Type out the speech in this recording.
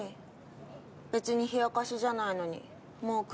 別に冷やかしじゃないのに「もう来るな」だなんて。